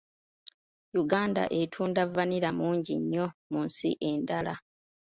Uganda etunda vanilla mungi nnyo mu nsi endala.